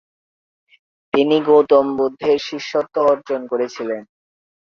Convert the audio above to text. তিনি গৌতম বুদ্ধের শিষ্যত্ব গ্রহণ করেছিলেন।